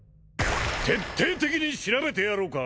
徹底的に調べてやろうか？